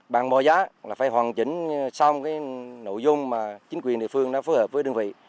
bản bò giá là phải hoàn chỉnh xong nội dung mà chính quyền địa phương phối hợp với đơn vị